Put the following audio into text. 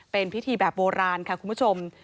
เป็นพิธีแบบโบราณค่ะคุณผู้ชม